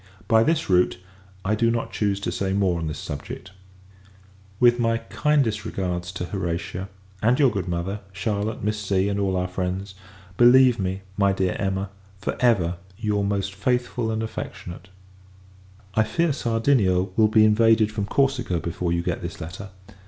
By this route, I do not choose to say more on this subject. With my kindest regards to Horatia and your good mother, Charlotte, Miss C. and all our friends, believe me, my dear Emma, for ever, your most faithful and affectionate I fear, Sardinia will be invaded from Corsica before you get this letter.